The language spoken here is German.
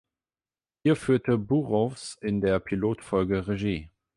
Hier führte Burrows in der Pilotfolge Regie.